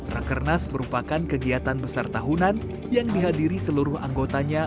rakernas merupakan kegiatan besar tahunan yang dihadiri seluruh anggotanya